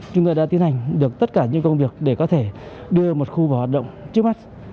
chúng tôi đã tiến hành được tất cả những công việc để có thể đưa một khu vào hoạt động trước mắt